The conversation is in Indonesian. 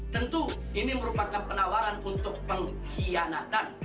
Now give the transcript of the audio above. tentu ini merupakan penawaran untuk pengkhianatan